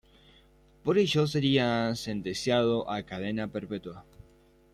Por ello, sería sentenciado a cadena perpetua.